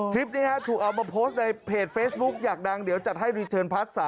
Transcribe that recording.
คลิปนี้ถูกเอามาโพสต์ในเพจเฟซบุ๊กอยากดังเดี๋ยวจัดให้รีเทิร์นพาร์ท๓